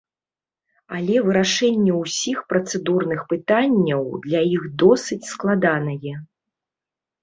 Але вырашэнне ўсіх працэдурных пытанняў для іх досыць складанае.